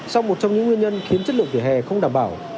sau một trong những nguyên nhân khiến chất lượng vỉa hè không đảm bảo